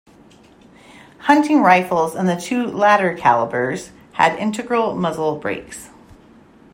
Hunting rifles in the two latter calibers had integral muzzle brakes.